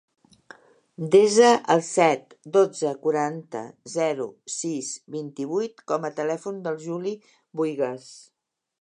Desa el set, dotze, quaranta, zero, sis, vint-i-vuit com a telèfon del Juli Buigues.